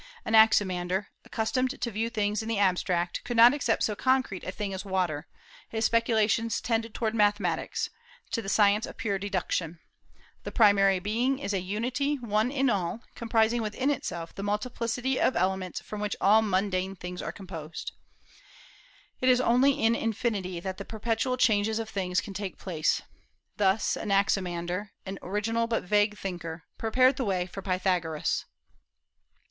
Anaximander, accustomed to view things in the abstract, could not accept so concrete a thing as water; his speculations tended toward mathematics, to the science of pure deduction. The primary Being is a unity, one in all, comprising within itself the multiplicity of elements from which all mundane things are composed. It is only in infinity that the perpetual changes of things can take place. Thus Anaximander, an original but vague thinker, prepared the way for Pythagoras.